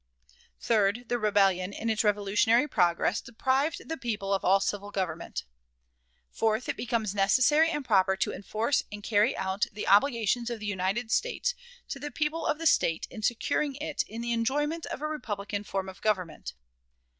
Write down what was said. Third, the rebellion, in its revolutionary progress, deprived the people of all civil government. Fourth, it becomes necessary and proper to enforce and carry out the obligations of the United States to the people of the State in securing it in the enjoyment of a republican form of government.